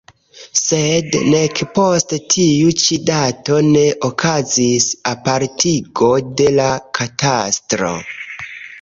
Sed nek post tiu ĉi dato ne okazis apartigo de la katastro.